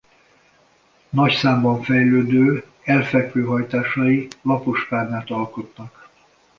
Nagy számban fejlődő elfekvő hajtásai lapos párnát alkotnak.